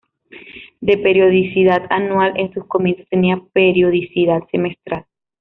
De periodicidad anual, en sus comienzos tenía periodicidad semestral.